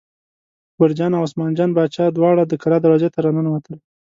اکبرجان او عثمان جان باچا دواړه د کلا دروازې ته را ننوتل.